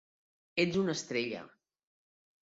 Ets una estrella !